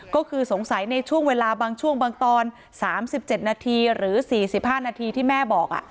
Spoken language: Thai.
ก็คือสงสัยในช่วงเวลาบางช่วงบางตอน๓๗นาทีหรือ๔๕นาทีที่แม่บอก